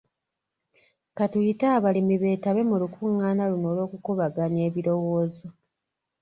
Ka tuyite abalimi beetabe mu lukungaana luno lw'okukubaganya ebirowoozo.